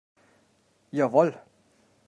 Jawohl!